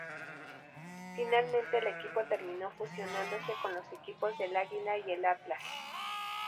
Finalmente el equipo terminó fusionándose con los equipos del Águila y el Atlas.